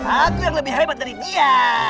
aku yang lebih hebat dari dia